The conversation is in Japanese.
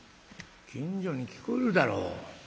近所に聞こえるだろ」。